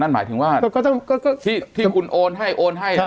นั่นหมายถึงว่าก็ก็ก็ก็ก็ที่ที่คุณโอนให้โอนให้ครับ